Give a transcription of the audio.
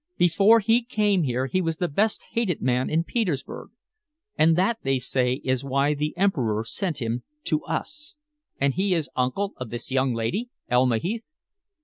Before he came here he was the best hated man in Petersburg, and that, they say, is why the Emperor sent him to us." "And he is uncle of this young lady, Elma Heath?"